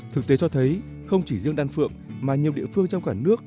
thực tế cho thấy không chỉ riêng đan phượng mà nhiều địa phương trong cả nước